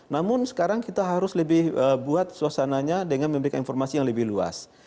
namun sekarang kita harus lebih buat suasananya dengan memberikan informasi yang lebih luas